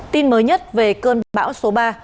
tin mới nhất về cơn bão số ba